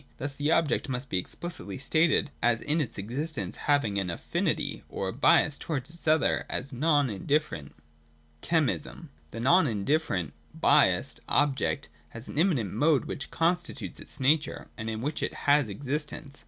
Thus the object must be expHcitly stated as in its existence having an Affinity (or a bias) towards its other, — as not indifferent. (6) Chemism. 200.] The not indifferent (biassed) object has an immanent mode which constitutes its nature, and in which it has existence.